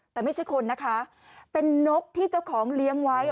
แต่ไม่ใช่คนนะคะเป็นนกที่เจ้าของเลี้ยงไว้